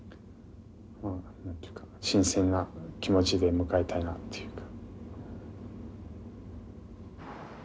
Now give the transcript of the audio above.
何て言うか新鮮な気持ちで迎えたいなっていうか。